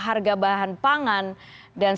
harga bahan pangan dan